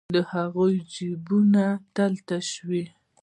د هغوی جېبونه تل تش وي